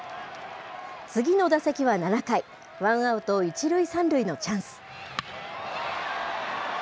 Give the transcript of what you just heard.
次の打席は７回、ワンアウト１塁３塁のチャンス。